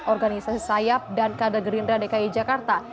organisasi sayap dan kader gerindra dki jakarta